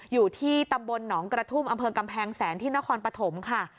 อยู่ที่ตำบลหนองกระทุ่มอำเภอกำแพงแสนที่นครปฐมค่ะ